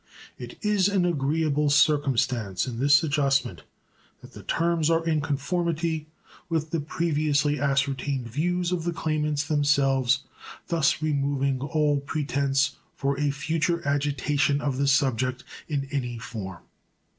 It is an agreeable circumstance in this adjustment that the terms are in conformity with the previously ascertained views of the claimants themselves, thus removing all pretense for a future agitation of the subject in any form.